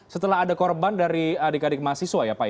setelah ada korban dari adik adik mahasiswa